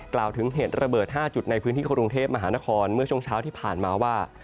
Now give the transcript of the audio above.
กล่าวถึงเหตุระเบิด๕จุดในพื้นที่กรุงเทพมหานครเมื่อช่วงเช้าที่ผ่านมาว่า